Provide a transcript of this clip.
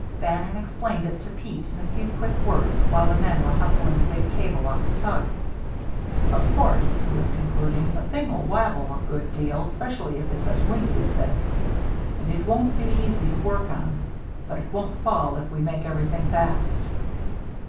Bannon explained it to Pete in a few quick words while the men were hustling the big cable off the tug. "Of course," he was concluding, "the thing'll wabble a good deal, specially if it's as windy as this, and it won't be easy to work on, but it won't fall if we make everything fast."